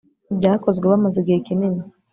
byakozwe bamaze igihe kinini